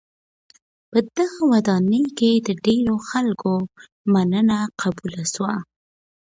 په دغه ودانۍ کي د ډېرو خلکو مننه قبوله سوه.